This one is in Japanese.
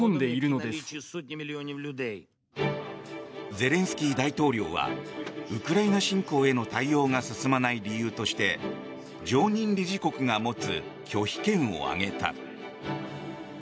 ゼレンスキー大統領はウクライナ侵攻への対応が進まない理由として常任理事国が持つ拒否権を挙げた。